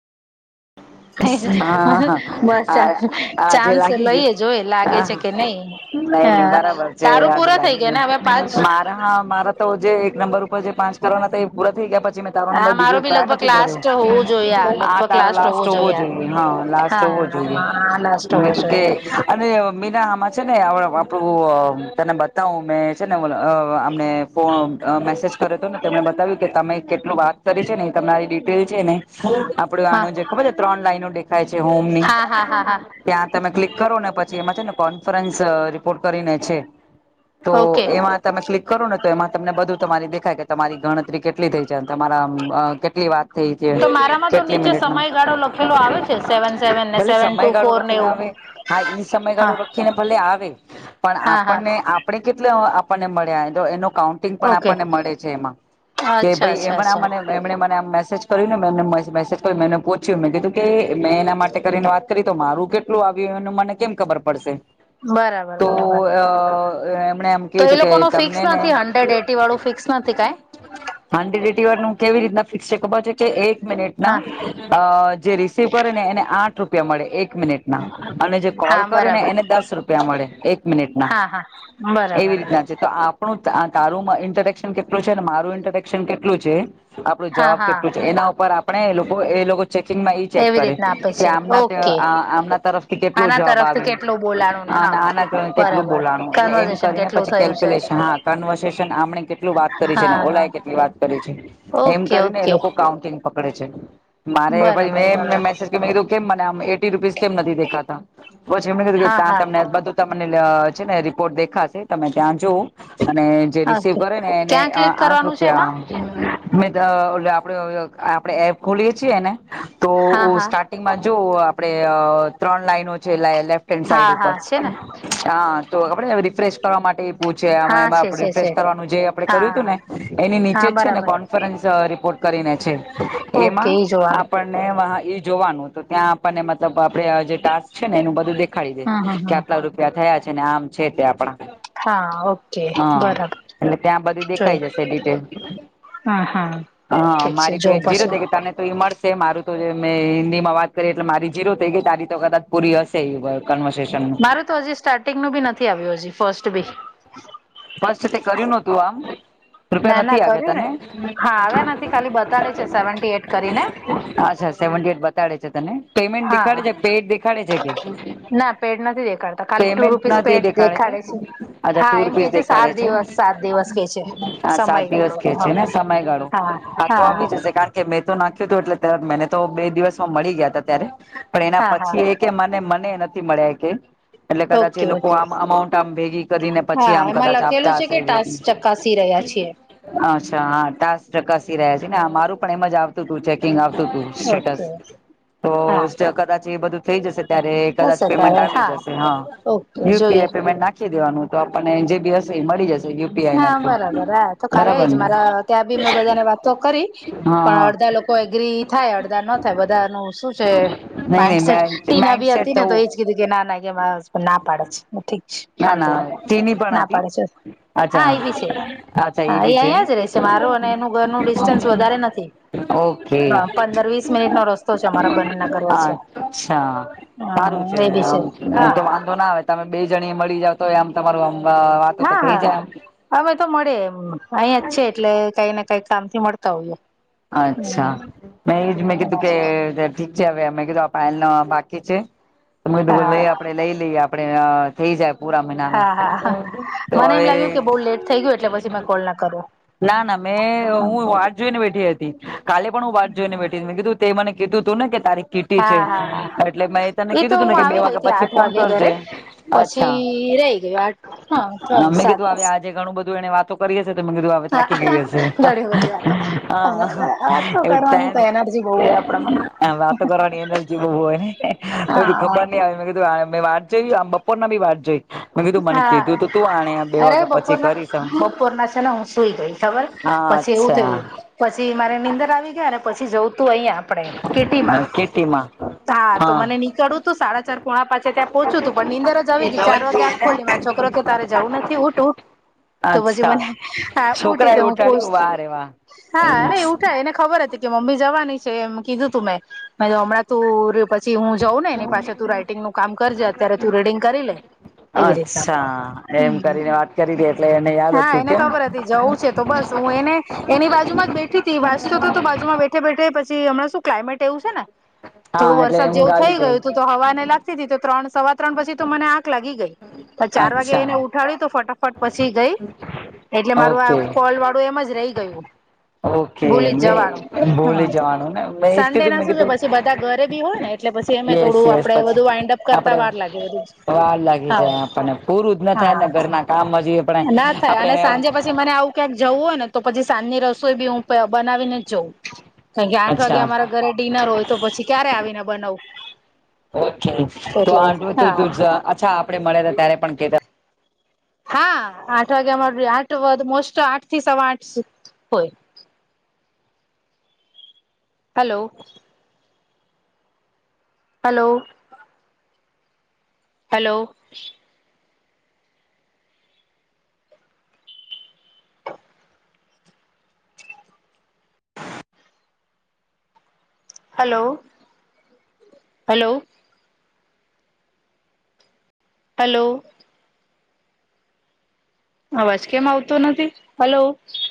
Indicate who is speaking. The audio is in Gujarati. Speaker 1: હા હા
Speaker 2: [inaudible] બસ
Speaker 1: આ આજે
Speaker 2: ચાન્સ
Speaker 1: લાગી
Speaker 2: લઈએ જોય લાગે છે કે નહી
Speaker 1: નઈ નઈ
Speaker 2: હા
Speaker 1: બરાબર છે
Speaker 2: તારું
Speaker 1: આજ
Speaker 2: પૂરા થઈ
Speaker 1: લાગી
Speaker 2: ગયા ને
Speaker 1: ગયું
Speaker 2: હવે પાંચ
Speaker 1: મારા મારા તો જે એક નંબર ઉપર જે પાંચ કરવાના એ પૂરા થઈ ગયા પછી મેં તારો નંબર
Speaker 2: હા
Speaker 1: બીજો
Speaker 2: મારો બી
Speaker 1: ટ્રાય
Speaker 2: લગભગ
Speaker 1: નથી કર્યો
Speaker 2: લાસ્ટ હોવું જોઈએ આ લગભગ
Speaker 1: તારો લાસ્ટ હોવો જોઈએ હા લાસ્ટ હોવો જોઈએ
Speaker 2: હા લાસ્ટ હોવો
Speaker 1: એ કે
Speaker 2: જોઈએ
Speaker 1: મીના આમાં છે ને આપડું તને બતાવું મે છે ને અમને ફો મેસેજ કર્યો હતો ને તેમણે બતાવ્યું કે તમે કેટલું વાત કરી છે ને તમનેરી છે ને આપડું
Speaker 2: હા
Speaker 1: આનું જે ખબર છે ત્રણ લાઈનો ાય છે હોમની
Speaker 2: હા હા હા હા
Speaker 1: ત્યાં તમે ક્લિક કરો ને પછી એમાં છે ને કોન્ફરન્સ સોટ કરીને છે તો
Speaker 2: ઓકે
Speaker 1: એમાં તમે ક્લિક કરો ને તો એમાં તમને બધું તમારી દેખાય તમારી ગણતરી કેટલી થઈ છે તમારા કેટલી વાત થઈ
Speaker 2: તો
Speaker 1: છે
Speaker 2: મારામાં તો
Speaker 1: કેટલી
Speaker 2: નીચે
Speaker 1: મિનિટમાં
Speaker 2: સમયગાળો લખેલો આવે છે સેવન સેવન ને
Speaker 1: ભલે
Speaker 2: સેવન ટુ
Speaker 1: સમયગાળો
Speaker 2: ફોર ને
Speaker 1: રખેલો
Speaker 2: એવું
Speaker 1: હ હા ઈ સમય
Speaker 2: હા
Speaker 1: ખીને ભલે આવે પણ
Speaker 2: હા હા
Speaker 1: આપણને આપણે કેટલા આપણને મળ્યા એનો કાઉન્ટિંગ પણ
Speaker 2: ઓકે
Speaker 1: આપણને મળે છે એમાં કે
Speaker 2: અચ્છા
Speaker 1: ભાઈ એમ
Speaker 2: અચ્છા અચ્છા
Speaker 1: મને એમ મ કર્યું ને મેને મેજ મેં એને પછ્યું મેં કીધું કે મેં એના માટે કરીને વાત કરી તો મારું કેટલું આવ્યું એ મને કેમ ખબર પડશે
Speaker 2: બરાબર બરાબર
Speaker 1: મ એમ કું
Speaker 2: તો એ
Speaker 1: હતું કે
Speaker 2: લોકો ન ફિક્સ નથી હંડ્રેડ એટી વાળું ફિક્સ નથી કાઈ
Speaker 1: તમનેનેટી વાર કેવી રીતના ફિક્સ છે ખબર છે કે એક મિનિટ
Speaker 2: હા
Speaker 1: ના જે રિસીવ કરે ને એને આઠ રૂપ રૂિયા મળે એક મિનિટ ના અને જે કોલ
Speaker 2: હા
Speaker 1: કરે ને
Speaker 2: બરાબર
Speaker 1: એને દસ રૂપિયા મળે એક મિનિટના
Speaker 2: હા હા
Speaker 1: એવી
Speaker 2: બરાબર
Speaker 1: રીતના છે તો આપણું તારું ઇન્ટરેક્શન કેટલું છે ને મારું ઇન્ટરેક્શન કેટલું છે આપણું
Speaker 2: હા
Speaker 1: જવાબ
Speaker 2: હા
Speaker 1: કેટલું છે એના ઉપર આપણે એ લોકો એ લોકો ચેકિંગમાં ચેક
Speaker 2: એવી
Speaker 1: કરે
Speaker 2: રીતના આપે
Speaker 1: કે
Speaker 2: છે
Speaker 1: આમ
Speaker 2: ઓકે
Speaker 1: આમના તરફથી કેટલું
Speaker 2: આના
Speaker 1: જવાબ
Speaker 2: તરફથી
Speaker 1: આવ્યું
Speaker 2: કેટલું બોલાણું ને
Speaker 1: અને
Speaker 2: હા
Speaker 1: આના કારણે કેટલું
Speaker 2: બરાબર
Speaker 1: બોલાણું એટલે એમ
Speaker 2: કન્વર્ઝેશન
Speaker 1: કરીને
Speaker 2: કેટલું
Speaker 1: પછી
Speaker 2: થયું છે
Speaker 1: કેલ્ક્યુલેશન હા કન્વર્સેશન આપણે કેટલું વાત છેને ઓલા
Speaker 2: હા
Speaker 1: એ કેટલી વાત કરી છે એમ
Speaker 2: ઓકે
Speaker 1: કરીને એ
Speaker 2: ઓકે
Speaker 1: લોકો કાઉન્ટિંગ પકડે છે મારે
Speaker 2: બરાબર
Speaker 1: પછી મેં એમને
Speaker 2: બરાબર
Speaker 1: મેસેજ કીધું કેમ મને આમ એટી રૂપીસ કેમ નથી દેખાતામ
Speaker 2: હા
Speaker 1: નથીતા
Speaker 2: હા
Speaker 1: તનેધ તમને છે ને રિપોર્ટ દેખાશે તમે ત્યાં જવું અને જે રિસીવ
Speaker 2: ઓકે
Speaker 1: કરે ને એને
Speaker 2: ક્યાં ક્લિક
Speaker 1: આઠ
Speaker 2: કરવાનું છે એમાં
Speaker 1: રૂપિયા મે આપડ આપડણે એપ ખોલીએ છીએ ને તો
Speaker 2: હા હા
Speaker 1: સ્ટાર્ટિંગમાં જો આપડે ત્રણ લાઈનો છે લેફ્ટ હેન્ડ સાઈડ
Speaker 2: હા હા
Speaker 1: ઉપર
Speaker 2: છે ને
Speaker 1: હા તો આપ રિફ્રેશ કરવા માટે માં
Speaker 2: હા
Speaker 1: એમાં
Speaker 2: છે
Speaker 1: આપ
Speaker 2: છે છે
Speaker 1: ફ્રેશ કરવાનું જે આપે કર્યું હતું
Speaker 2: હા
Speaker 1: ને એની નીચે
Speaker 2: હા
Speaker 1: જ છે ને
Speaker 2: બરાબર
Speaker 1: કોન્ફરન્સ રિપોર્ટ કરીને છે
Speaker 2: ઓકે
Speaker 1: એમાં
Speaker 2: એ જોવાનું
Speaker 1: આપણને એ જોવાનું તો ત્યાં આપણને મતલબ આપડે જે ટાસ્ક છે ને એનું બધું દેખાડી દે
Speaker 2: હમ હમ
Speaker 1: કે
Speaker 2: હમ
Speaker 1: આટલા રૂપિયા થયા છે ને આમ છે તે આપણા
Speaker 2: હા ઓકે
Speaker 1: હા
Speaker 2: બરાબર
Speaker 1: એટલે ત્યાં બધું દેખાઈ જશે ડિટેલ
Speaker 2: હમ હા
Speaker 1: હા
Speaker 2: ઠીક છે
Speaker 1: મારી તો
Speaker 2: જો
Speaker 1: એક જીરો થ તને તો ઇર મારું તો મેં હિન્દીમાં વાત કરી એટલે મારી જીરો થઈ ગઈ તારી તો કદાચ પૂરી હશે એ વા
Speaker 2: મારું તો હજી સ્ટાર્ટિંગનુંું બી નથી આવ્યું હજી ફસ્ટ બી
Speaker 1: ફસ્ટી તે કર્યું નતું આમ
Speaker 2: ના
Speaker 1: રૂપિયા નથી
Speaker 2: ના
Speaker 1: આવ્યા
Speaker 2: કર્યું ને
Speaker 1: તને
Speaker 2: હા આવ્યા નથી ખાલી બતાડે છે સેવન્ટી એટ કરીને
Speaker 1: સેવી એટ બતાડે છે તને પેમેન્ટ દેખાડે
Speaker 2: હા
Speaker 1: છે પેડ દેખાડે છે કે
Speaker 2: ના પેડ નથી દેખાડતા ખાલી ટુ
Speaker 1: પેમેન્ટ
Speaker 2: રૂપીસ
Speaker 1: નથી
Speaker 2: પેડ
Speaker 1: દેખાડે છે
Speaker 2: હા એમ કે છે સાત દિવસ સાત દિવસ કે છે
Speaker 1: હા સાત દિવસ
Speaker 2: સમયગાળો
Speaker 1: કે
Speaker 2: હા
Speaker 1: છે ને સમયગાળો
Speaker 2: હા
Speaker 1: આ તો
Speaker 2: હા
Speaker 1: આવી જશે કારણ કે મે તો નાખ્યું હતું એટલે મને તો બે દિવસમાં મળી ગયા ત ત્યારે પણ એના
Speaker 2: હા હા
Speaker 1: પછી એ કે મને મને નથી મળ્યા કે એટલે કદાચ
Speaker 2: ઓકે
Speaker 1: એ લોકો
Speaker 2: ઓકે
Speaker 1: આમ અમાઉન્ટ આમ ભેગી કરી ને પછી
Speaker 2: હા
Speaker 1: આમ
Speaker 2: એમાં
Speaker 1: કદાચ અચ્છા
Speaker 2: લખેલું છે કે ટાસ્ક ચકાસી રહ્યા છીએ
Speaker 1: હા ત ટકાસી રહ્યા છે ને મારું પણ એમ જ આવતું હતું ચેકિંગ
Speaker 2: ઓકે હા
Speaker 1: સટ તો કદાચ એ બધું થઈ જશે ત્યારે
Speaker 2: બસ
Speaker 1: કદાચ પેમેન્ટ
Speaker 2: અત્યારે
Speaker 1: આવી જશે હા
Speaker 2: ઓકે જોઈએ
Speaker 1: યુપીઆઈ પેમેન્ટ નાખી નાખી દેવાનું તો આપણને જે બી હશે એ મળી જશે યુપીઆઈ ના
Speaker 2: હા
Speaker 1: થ્રુ
Speaker 2: બરાબર હે તો
Speaker 1: બરાબર
Speaker 2: કાલેજ
Speaker 1: ને
Speaker 2: મારા ત્યાં બી મેં બધા ને વાતો કરી
Speaker 1: હા
Speaker 2: પણ
Speaker 1: હા
Speaker 2: અડધા લોકો એગ્રી થાય અડદા ન થાય બધા ન શું છે
Speaker 1: નહી નહી
Speaker 2: માઇન્ડસેટ ટીના
Speaker 1: માઇન્ડ
Speaker 2: બી
Speaker 1: સેટ
Speaker 2: હતી ને તો
Speaker 1: થવું
Speaker 2: કીધું કે ના ના ના પાડે છેઠી
Speaker 1: ના ના
Speaker 2: આંદોલન
Speaker 1: ચીની પણ
Speaker 2: ના
Speaker 1: હતી
Speaker 2: પાડે છે
Speaker 1: અચ્છા
Speaker 2: હા એ બી છે હા એ અહીંયા જ ર છે મારું અને એનું ઘરનું ડિસ્ટન્સ વધારે નથી
Speaker 1: ઓકે
Speaker 2: હા પંદર વીસ મિનિટ નો રસ્તો છે અમારા એના ઘર વચ્ચે
Speaker 1: અચ્છા સારું
Speaker 2: હા એ ભી છે
Speaker 1: આમ તો
Speaker 2: હા
Speaker 1: વાંધો ના આવે તમે બે જણી મળી જાવ તો હોય આમ તમારું આમ વાતો તો
Speaker 2: હા
Speaker 1: થઈ જાય આમ
Speaker 2: હા હવે તો મળે એમ અહીંયા જ છે એટલે કઈ કઈ કામ થી મળતા હોઈએ હમ
Speaker 1: અચ્છા મે એ જ મેં
Speaker 2: હા
Speaker 1: કીધું કે ઠીક છે હવે મેં કીધું બાકી બાકી છે
Speaker 2: હા
Speaker 1: લઈ આપડે લઈ લઈએ આપણે થઈ જાય પૂરા મહિનાના
Speaker 2: હા હા હા
Speaker 1: તો
Speaker 2: મને એમ
Speaker 1: હવે
Speaker 2: લાગ્યું કે બહ લેટ થઈ ગયું એટલે પછી મે કોલ ના કરું
Speaker 1: ના ના મેં હું વાત જોઈને બેઠી હ કાલે પણ હું વાત જોઈને બેઠી હતી મે કીધું તે મને કીધું હતું ને કે તારીખ કીટી છે
Speaker 2: હા હા હા
Speaker 1: એટલે મેં તને
Speaker 2: એ તો
Speaker 1: કીધું તું
Speaker 2: હું
Speaker 1: ને કે બે
Speaker 2: આવી ગઈ
Speaker 1: વાગ્યા
Speaker 2: હતી
Speaker 1: પછી
Speaker 2: આઠ
Speaker 1: ફોન
Speaker 2: વાગે
Speaker 1: કરજે
Speaker 2: ઘરે
Speaker 1: અચ્છા
Speaker 2: પછી રહી ગયું આઠ હા તો
Speaker 1: ગમે કીધું
Speaker 2: સાત
Speaker 1: આવે આજે ઘણું બધું એને વાતો કરીએ બધું હું થાકી
Speaker 2: હા
Speaker 1: ગય હશે
Speaker 2: ઘણી બધી વાતો
Speaker 1: હ
Speaker 2: વાતો કરવાની તો
Speaker 1: એવું
Speaker 2: એનર્જી બહુ હોય આપડા મને
Speaker 1: [unintelligible] વાતો કરવાની એનર્જી બઉ હોય મેં કીધું
Speaker 2: હા
Speaker 1: ખબર નઈ અવે મેં કીધું આ મેં વાટ જોઇ આમ બપોરના બી વાટ જોઈ. મેં કીધું મને
Speaker 2: હા
Speaker 1: કીધું તો તું આણે બે
Speaker 2: અરે
Speaker 1: વાગ્યા પછી
Speaker 2: બપોરના
Speaker 1: કરીશ
Speaker 2: બપોર ના છે ને હું સુઈ ગઈ ખબર
Speaker 1: હા
Speaker 2: પછી એવું થયું
Speaker 1: અચ્છા
Speaker 2: પછી મારે નીંદર આવી ગઈ અને પછી જવું તું અહીંયા આપણેે કીટીમાં.
Speaker 1: કેટીમાં
Speaker 2: હા તો મને નીકળવુ તું સાડા ચાર પોણા પાંચે ત્યાં પોચુવું તું પણ નીંદર જ આવી ગઈ ચાર વાગ્યા ખોલી માર છોકરો કે તારે જાવું નથી ઉઠ ઉઠ. તો પછી
Speaker 1: અચ્છા
Speaker 2: મને આ ઉઠી
Speaker 1: છોકરા એ
Speaker 2: તો હું પોષ્
Speaker 1: ઉઠાડ્યું વાહ રે વાહ
Speaker 2: હા, નેએ ઉઠાય એને ખબર હતી કે મમ્મી જવાની છે એમ કીધું તું મેં. મેંકધુ હમણાં તું પછી હું જઉં ને એની પાછ તું રાઈટિંગનું કામ કરજે અત્યારે તું રીડિંગ કરી લે. એવી રીતના
Speaker 1: અચ્છા એમ કરીને વાત કરી હતી એટલે એને યાદ
Speaker 2: હા
Speaker 1: હતું
Speaker 2: એને
Speaker 1: કેમ
Speaker 2: ખબર હતી જવું છે તો બસ હું એને એની બાજુમાં જ બેઠી તી વાંચતો તો તો બાજુમાં બેઠે બેઠે પછ પછી હમણાં શું ક્લાઇમેટ એવું છે ને થોડું
Speaker 1: હા એટલે
Speaker 2: વરસાદ
Speaker 1: ઊંઘ
Speaker 2: જેવું
Speaker 1: આવી
Speaker 2: થઈ ગયું તું
Speaker 1: ગઈ
Speaker 2: તો હવા એને લાગતી તી તો ત્રણ સવા ત્રણ પછી તો મને આંખ લાગી ગઈ પણ ચાર વાગે
Speaker 1: અચ્છા
Speaker 2: એને ઉઠાડી તો ફટાફટ પછી ગઈ. એટલે મારું આ
Speaker 1: ઓકે
Speaker 2: ફોલવાળું એમ જ રહી ગયું.
Speaker 1: ઓકે
Speaker 2: ભૂલી જ
Speaker 1: મે
Speaker 2: જવાનું
Speaker 1: ભૂલી જવાનું ને મેં એજ
Speaker 2: સન્ડે
Speaker 1: કીધું
Speaker 2: ના
Speaker 1: મેં
Speaker 2: શું છે
Speaker 1: કીધું
Speaker 2: પછી બધા ઘરે બી હોય ને એટલે પછી એમે
Speaker 1: યસ
Speaker 2: થોડું
Speaker 1: યસ
Speaker 2: આપડે
Speaker 1: પછી
Speaker 2: બધું વાઈન્ડઅપ કરતા વાર લાગે [unintelligible] હા.
Speaker 1: ત્યાં આપણને પૂરું જ ન થાય ને
Speaker 2: હા
Speaker 1: ઘરના કામ હજી આપણે
Speaker 2: ના થાય
Speaker 1: આપડે
Speaker 2: અને સાંજે પછી મને આવું ક્યાંક જવું હોય ને તો પછી સાંજની રસોઈ બી હું બનાવીને જ જઉ. કારણ કે આઠ વાગે
Speaker 1: અચ્છા
Speaker 2: અમારા ઘરે ડિનર હોય તો પછી ક્યારે આવીને બનાવું.
Speaker 1: ઓકે તો
Speaker 2: એટલે
Speaker 1: આ તું
Speaker 2: હા
Speaker 1: તું ત અચ્છા આપડે મળ્યાતા ત્યારે પણ કેતા
Speaker 2: હા આઠ વાગ્યામાં આઠ વા મોસ્ટ આઠ થી સવા આઠ સુ હોય [unintelligible] hello hello hello hello, hello hello અવાજ કેમ આવતો નથી? હલો.